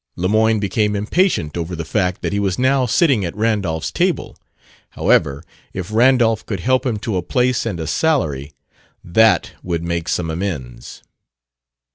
Lemoyne became impatient over the fact that he was now sitting at Randolph's table. However, if Randolph could help him to a place and a salary, that would make some amends.